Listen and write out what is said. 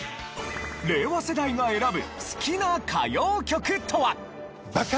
令和世代が選ぶ好きな歌謡曲とは？